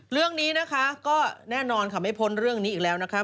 เรื่องนี้นะคะก็แน่นอนค่ะไม่พ้นเรื่องนี้อีกแล้วนะคะ